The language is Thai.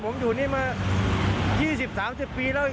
ผมอยู่นี่มา๒๐๓๐ปีแล้ว